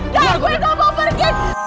nggak gue gak mau pergi